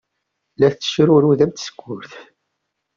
La d-tettecrurud am tsekkurt.